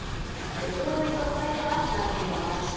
デトロイト海山なんていうのもあるし。